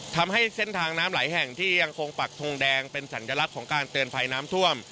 ทำให้เส้นทางน้ำหลายแห่งที่ยังคงปักทงแดงเป็นสัญลักษณ์ของการเตือนภัยน้ำท่วม